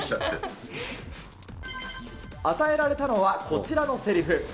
与えられたのはこちらのせりふ。